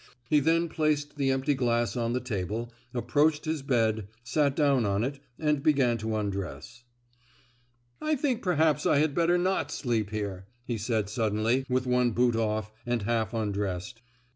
He then placed the empty glass on the table, approached his bed, sat down on it, and began to undress. "I think perhaps I had better not sleep here," he said suddenly, with one boot off, and half undressed.